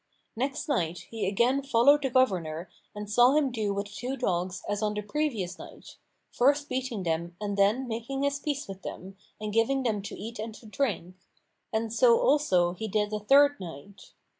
Next night, he again followed the governor and saw him do with the two dogs as on the previous night, first beating them and then making his peace with them and giving them to eat and to drink; and so also he did the third night.